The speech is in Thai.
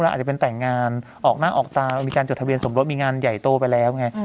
อาจจะเป็นแต่งงานออกหน้าออกตามีการจดทะเบียนสมรสมีงานใหญ่โตไปแล้วไง